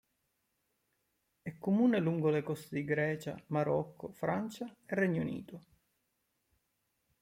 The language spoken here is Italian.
È comune lungo le coste di Grecia, Marocco, Francia e Regno Unito.